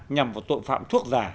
nhằm vào tội phạm thuốc giả